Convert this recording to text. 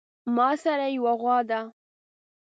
ماسره يوه غوا ده